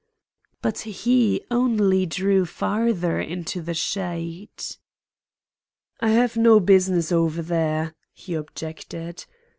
But he only drew farther into the shade. "I have no business over there," he objected.